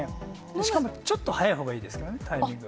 しかも、ちょっと早いほうがいいですね、タイミング。